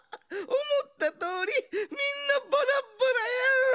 おもったとおりみんなバラバラや！